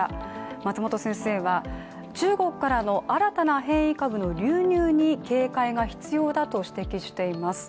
松本先生は、中国からの新たな変異株の流入に警戒が必要だと指摘しています。